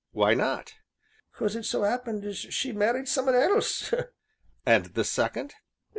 "Why not?" "'Cause, it so 'appened as she married summun else." "And the second?"